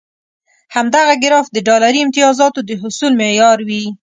همدغه ګراف د ډالري امتیازاتو د حصول معیار وي.